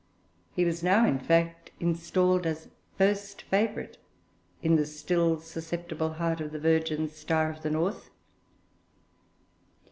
He was now, in fact, installed as first favourite in the still susceptible heart of the Virgin Star of the North.